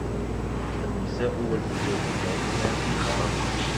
النساء والزجاج دائماً في خطر.